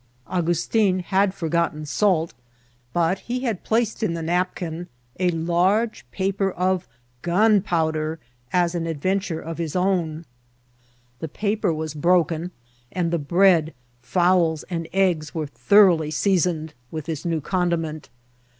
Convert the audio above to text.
Augustin had forgotten salt, but he had placed in the napkin a large paper of gunpowder as an adventure of his own. The 48 INCIDIMTB OP TRATBL. paper was broken, and the bread, fowls, and eggs were thoroughly seasoned with this new condiment.